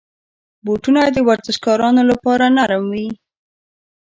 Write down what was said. بوټونه د ورزشکارانو لپاره نرم وي.